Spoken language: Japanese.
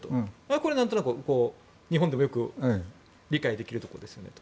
これ、なんとなく日本でも理解できるところですよねと。